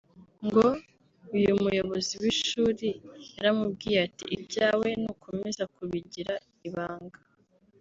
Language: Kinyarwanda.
ngo uyu Muyobozi w’ishuri yaramubwiye ati “Ibyawe nukomeza kubigira ibanga